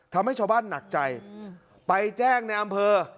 ทำให้ชาวบ้านหนักใจไปแจ้งในอำเภอ